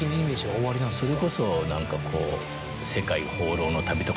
それこそ何かこう。